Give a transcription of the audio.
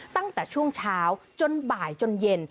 ตั้งแต่ช่วงเช้าจนบ่ายจนเย็น